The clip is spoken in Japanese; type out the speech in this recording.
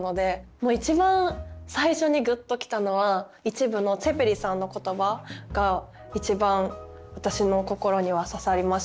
もう一番最初にぐっときたのは１部のツェペリさんの言葉が一番私の心には刺さりましたね。